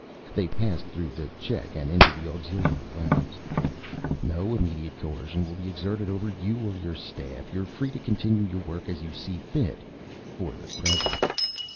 They passed through the check and into the auxiliary labs. "No immediate coercion will be exerted over you or your staff. You're free to continue your work as you see fit for the present.